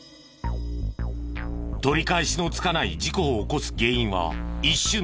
取り返しのつかない事故を起こす原因は一瞬の気の緩み。